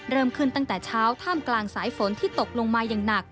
เริ่มขึ้นตั้งแต่เช้าท่ามกลางสายฝนที่ตกลงมาอย่างหนัก